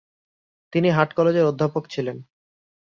তিনি হাট কলেজের অধ্যাপক ছিলেন।